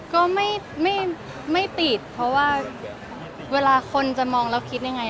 ก็ไม่ติดเพราะว่าเวลาคนจะมองแล้วคิดยังไง